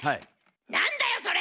何だよそれ！